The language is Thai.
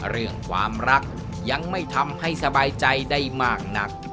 เรื่องความรักยังไม่ทำให้สบายใจได้มากนัก